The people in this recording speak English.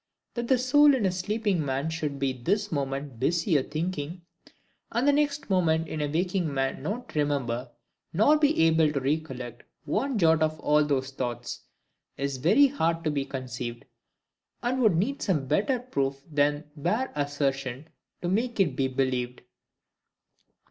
That the soul in a sleeping man should be this moment busy a thinking, and the next moment in a waking man not remember nor be able to recollect one jot of all those thoughts, is very hard to be conceived, and would need some better proof than bare assertion to make it be believed.